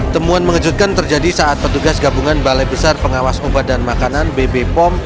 temuan mengejutkan terjadi saat petugas gabungan balai besar pengawas obat dan makanan bb pom